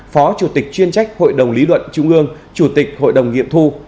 phó chủ tịch chuyên trách hội đồng lý luận trung ương chủ tịch hội đồng nghiệm thu